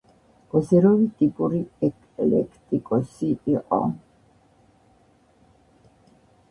ოზეროვი ტიპური ექლექტიკოსი იყო.